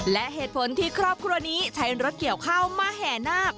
และเหตุผลที่ครอบครัวนี้ใช้รถเกี่ยวข้าวมาแห่นาค